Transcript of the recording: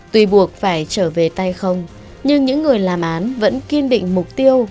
tuy buộc phải trở về tay không nhưng những người làm án vẫn kiên định mục tiêu